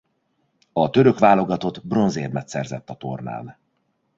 A török válogatott bronzérmet szerzett a tornán.